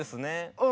うん。